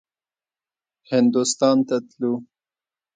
هندوستان ته تلو.